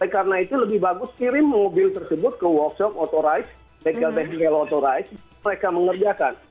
karena itu lebih bagus kirim mobil tersebut ke workshop authorized technical authorized mereka mengerjakan